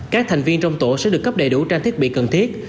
các thành viên trong tổ sẽ được cấp đầy đủ trang thiết bị cần thiết